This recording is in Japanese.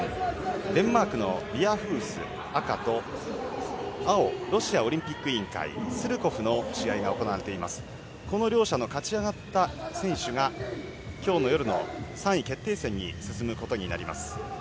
デンマークのビヤフース、赤と青、ロシアオリンピック委員会・スルコフの試合が行われています。両者の勝ち上がった選手が今日の夜の３位決定戦に進むことになります。